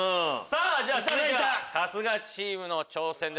続いては春日チームの挑戦です。